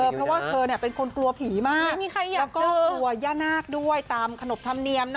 เพราะว่าเธอเป็นคนกลัวผีมากแล้วก็กลัวย่านาคด้วยตามขนบธรรมเนียม